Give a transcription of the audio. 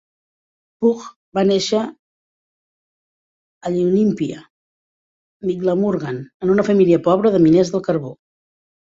Pugh va néixer a Llwynypia, Mid Glamorgan, en una família pobra de miners del carbó.